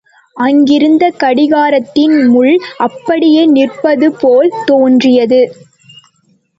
அங்கிருந்த கடிகாரத்தின் முள் அப்படியே நிற்பதுபோல் தோன்றியது.